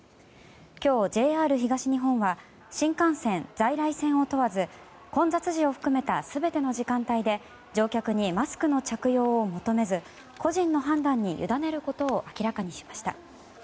今日、ＪＲ東日本は新幹線、在来線を問わず混雑時を含めた全ての時間帯で乗客にマスクの着用を求めず個人の判断に委ねることを明らかにしました。